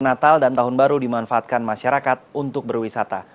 natal dan tahun baru dimanfaatkan masyarakat untuk berwisata